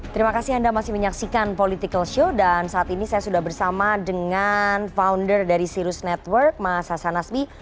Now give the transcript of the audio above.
terima kasih anda masih menyaksikan political show dan saat ini saya sudah bersama dengan founder dari sirus network mas hasan asmi